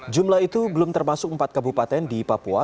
jumlah itu belum termasuk empat kabupaten di papua